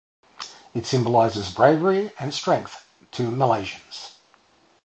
It symbolises bravery and strength to Malaysians.